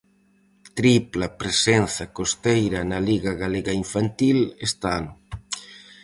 Tripla presenza costeira na liga galega infantil este ano.